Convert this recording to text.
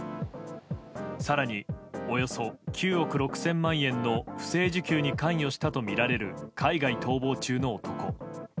更に、およそ９億６０００万円の不正受給に関与したとみられる海外逃亡中の男。